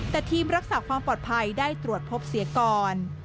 แต่ทีมรักษาความปลอดภัยได้ตรวจพบเสียก่อน